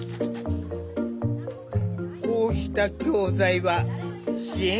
こうした教材は支援